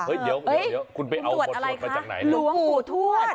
เฮ้ยเดี๋ยวเดี๋ยวเดี๋ยวคุณไปเอาบททวดมาจากไหนหลวงปู่ทวด